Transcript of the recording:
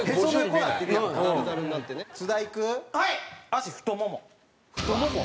足太もも。